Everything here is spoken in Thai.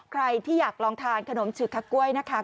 ใครที่อยากลองทานขนมฉือกคักกล้วยนะคะ